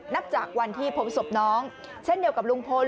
นับจากวันที่พบศพน้องเช่นเดียวกับลุงพล